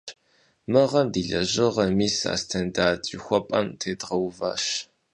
Мы гъэм ди лэжьыгъэр мис а стандарт жыхуэпӀэм тедгъэуващ.